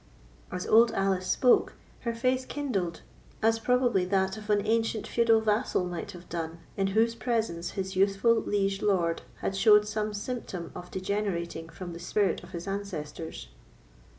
As Old Alice spoke, her face kindled, as probably that of an ancient feudal vassal might have done in whose presence his youthful liege lord had showed some symptom of degenerating from the spirit of his ancestors.